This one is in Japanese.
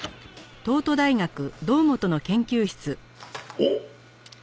おっ！